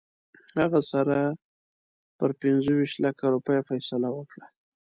هغه سره پر پنځه ویشت لکه روپیو فیصله وکړه.